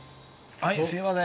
はいすいません